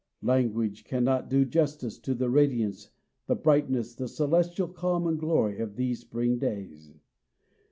Language cannot do justice to the radiance, the brightness, the celestial calm and glory, of these spring days.